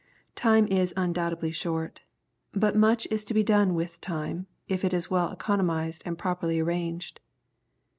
Time is undoubtedly short. But much is to be done with time, if it is well economised and properly arrang ed.